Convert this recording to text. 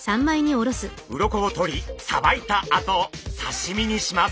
鱗を取りさばいたあと刺身にします。